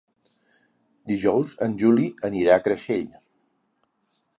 Dijous en Juli anirà a Creixell.